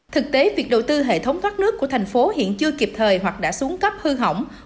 thực tế việc đầu tư hệ thống thoát nước của thành phố hiện chưa kịp thời hoặc đã xuống cấp hư hỏng